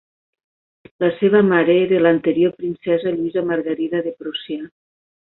La seva mare era l'anterior princesa Lluïsa Margarida de Prússia.